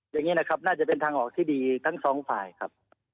อย่างนี้นะครับน่าจะเป็นทางออกที่ดีทั้งสองฝ่ายครับ